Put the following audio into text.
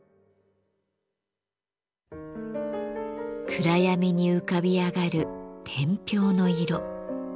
暗闇に浮かび上がる天平の色。